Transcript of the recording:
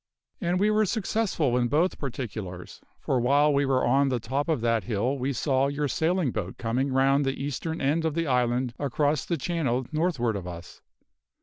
And we were successful in both particulars, for while we were on the top of that hill we saw your sailing boat coming round the eastern end of the island across the channel northward of us.